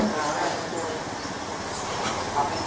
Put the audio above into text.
สวัสดีครับ